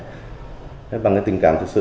đi theo đúng con đường cải tạo tốt nhất